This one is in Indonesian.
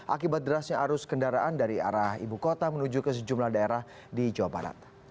akibat derasnya arus kendaraan dari arah ibu kota menuju ke sejumlah daerah di jawa barat